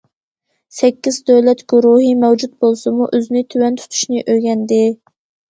سەككىز دۆلەت گۇرۇھى مەۋجۇت بولسىمۇ، ئۆزىنى تۆۋەن تۇتۇشنى ئۆگەندى.